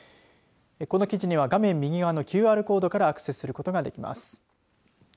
この記事には画面右側のＱＲコードからアクセスすることができます。